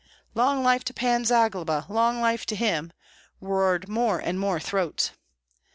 "Long life to Pan Zagloba! long life to him!" roared more and more throats.